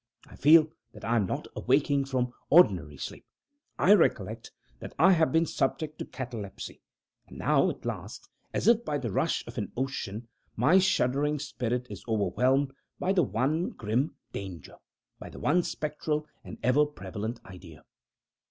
I feel that I am not awaking from ordinary sleep. I recollect that I have been subject to catalepsy. And now, at last, as if by the rush of an ocean, my shuddering spirit is overwhelmed by the one grim Danger by the one spectral and ever prevalent idea.